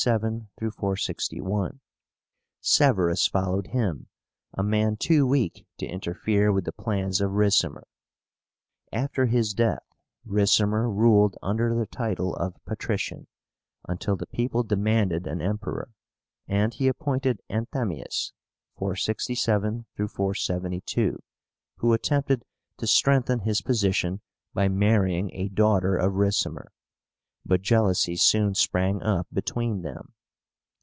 SEVÉRUS followed him, a man too weak to interfere with the plans of Ricimer. After his death, Ricimer ruled under the title of PATRICIAN, until the people demanded an Emperor, and he appointed ANTHEMIUS (467 472), who attempted to strengthen his position by marrying a daughter of Ricimer; but jealousy soon sprang up between them.